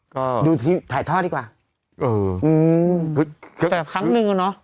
ก็ดูที่ถ่ายทอดดีกว่าเอออืมก็แต่ครั้งหนึ่งอ่ะเนอะ